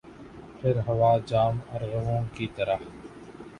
پر ہوا جام ارغواں کی طرح